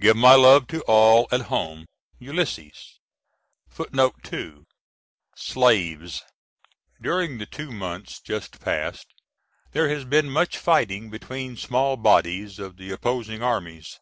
Give my love to all at home. ULYS. [Footnote 2: Slaves.] [During the two months just past there has been much fighting between small bodies of the opposing armies.